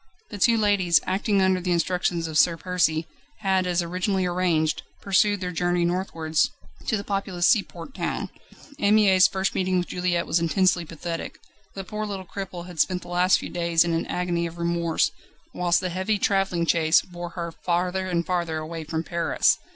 The two ladies, acting under the instructions of Sir Percy, had as originally arranged, pursued their journey northwards, to the populous seaport town. Anne Mie's first meeting with Juliette was intensely pathetic. The poor little cripple had spent the last few days in an agony of remorse, whilst the heavy travelling chaise bore her farther and farther away from Paris.